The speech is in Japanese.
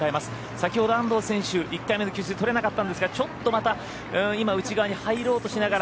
先ほど安藤選手、１回目の給水取れなかったんですがちょっとまた今、内側に入ろうとしながら。